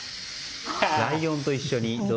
ライオンと一緒に。